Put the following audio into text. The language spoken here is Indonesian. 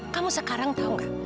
kamu sekarang tau gak